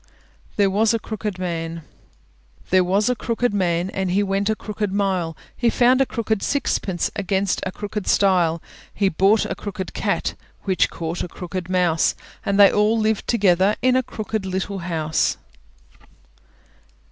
THERE WAS A CROOKED MAN There was a crooked man, and he went a crooked mile, He found a crooked sixpence against a crooked stile: He bought a crooked cat, which caught a crooked mouse, And they all lived together in a crooked little house.